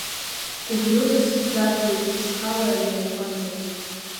Гәыблыла сизӡатәуеит сызхалар иа иҟынӡа.